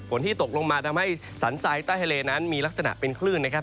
ที่ตกลงมาทำให้สันทรายใต้ทะเลนั้นมีลักษณะเป็นคลื่นนะครับ